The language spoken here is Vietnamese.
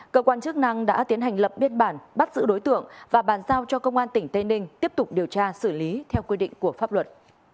cơ quan chức năng đã tiến hành lập biên bản bắt giữ đối tượng và bàn giao cho công an tỉnh tây ninh tiếp tục điều tra xử lý theo quy định của pháp luật